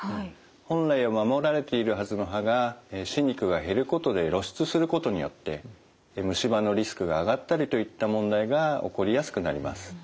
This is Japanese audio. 本来は守られているはずの歯が歯肉が減ることで露出することによって虫歯のリスクが上がったりといった問題が起こりやすくなります。